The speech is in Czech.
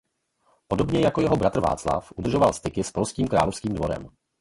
Podobně jako jeho bratr Václav udržoval styky s polským královským dvorem.